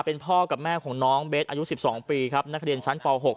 เป็นพ่อกับแม่ของน้องเบสอายุ๑๒ปีครับนักเรียนชั้นป๖